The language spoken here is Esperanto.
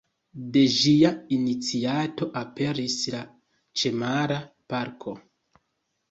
De ĝia iniciato aperis la ĉemara parko.